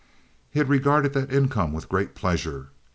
He had regarded that income with great pleasure.